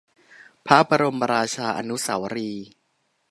พระบรมราชาอนุสาวรีย์